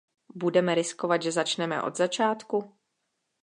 Budeme riskovat, že začneme od začátku?